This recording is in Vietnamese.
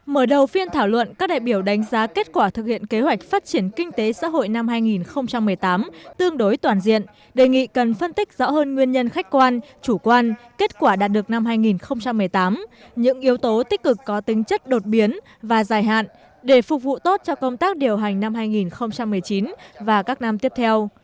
mở đầu phiên thảo luận các đại biểu đánh giá kết quả thực hiện kế hoạch phát triển kinh tế xã hội năm hai nghìn một mươi tám tương đối toàn diện đề nghị cần phân tích rõ hơn nguyên nhân khách quan chủ quan kết quả đạt được năm hai nghìn một mươi tám những yếu tố tích cực có tính chất đột biến và dài hạn để phục vụ tốt cho công tác điều hành năm hai nghìn một mươi chín và các năm tiếp theo